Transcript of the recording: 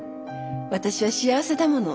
私は幸せだもの。